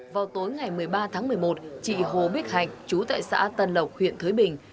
vào tối ngày một mươi ba tháng một mươi một chị hồ bích hạnh chú tại xã tân lộc huyện thới bình